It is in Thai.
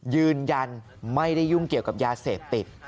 ยืนยันไม่ได้ยุ่งเกี่ยวกับยาเสพติด